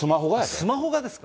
スマホがですか？